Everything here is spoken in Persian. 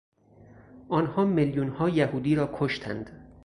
آنها میلیون ها یهودی را کشتند.